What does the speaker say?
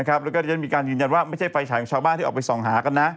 แล้วก็ได้มีการยืนยันว่าไม่ใช่ไฟฉายของชาวบ้านที่ออกไปส่องหากันนะ